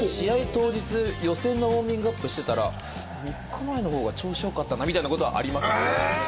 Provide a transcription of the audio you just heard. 当日予選のウオーミングアップしてたら３日前の方が調子よかったなみたいなことはありますね。